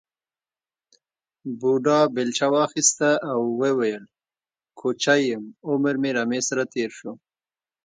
بوډا بېلچه واخیسته او وویل کوچی یم عمر مې رمې سره تېر شو.